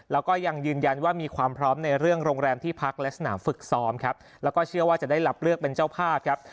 แล้วก็ยังยืนยันว่ามีความพร้อมในเรื่องโรงแรมที่พักและสนามฝึกซ้อมครับแล้วก็เชื่อว่าจะได้รับเลือกเป็นเจ้าภาพครับ